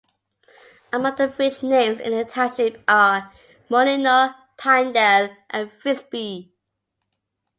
Among the village names in the township are Molino, Pinedale and Frisbie.